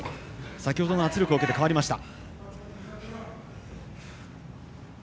先ほどの圧力を受けて変わりました。